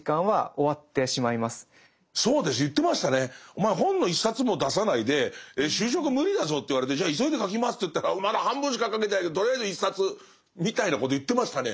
「お前本の一冊も出さないで就職無理だぞ」って言われてじゃあ急いで書きますっていったらまだ半分しか書けてないけどとりあえず一冊みたいなこと言ってましたね。